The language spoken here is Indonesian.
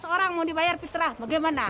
dua belas orang mau dibayar fitrah bagaimana